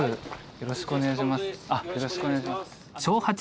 よろしくお願いします。